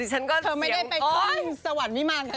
สิฉันก็เสียงอ้อนเธอไม่ได้ไปคลิปสวรรค์มิมานค่ะ